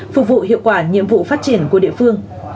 phục vụ hiệu quả nhiệm vụ phát triển của địa phương